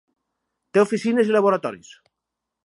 Té oficines i laboratoris.